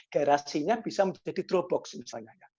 garasi nya bisa menjadi dropbox misalnya